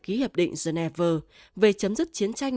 ký hợp định geneva về chấm dứt chiến tranh